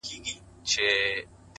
دښایستونو خدایه اور ته به مي سم نیسې